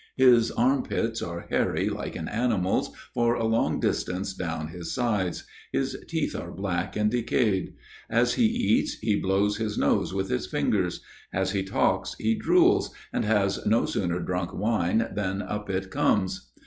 His armpits are hairy like an animal's for a long distance down his sides; his teeth are black and decayed. As he eats, he blows his nose with his fingers. As he talks, he drools, and has no sooner drunk wine than up it comes.